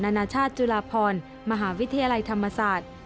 นานาชาติจุฬาพรมหาวิทยาลัยธรรมศาสตร์